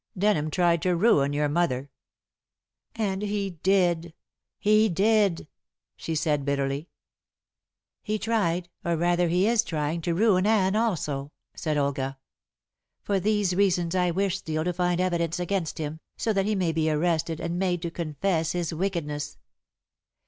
Denham tried to ruin your mother." "And he did he did!" she said bitterly. "He tried, or rather he is trying, to ruin Anne also," said Olga. "For these reasons I wish Steel to find evidence against him, so that he may be arrested and made to confess his wickedness.